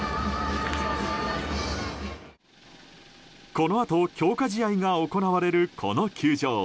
このあと強化試合が行われるこの球場。